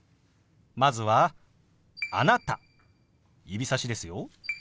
まずは「あなた」指さしですよ。